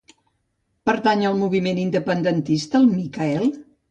Pertany al moviment independentista el Micael?